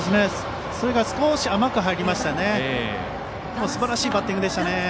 それが少し甘く入りましたね。